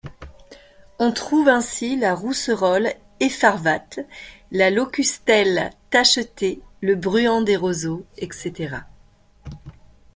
On trouve ainsi la Rousserolle effarvatte, la Locustelle tachetée, le Bruant des roseaux, etc.